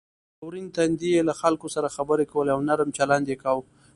په ورین تندي یې له خلکو سره خبرې کولې او نرم چلند یې کاوه.